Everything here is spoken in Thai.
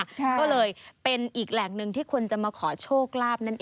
ก็เลยเป็นอีกแหล่งหนึ่งที่ควรจะมาขอโชคลาภนั่นเอง